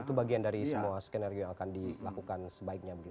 itu bagian dari semua skenario yang akan dilakukan sebaiknya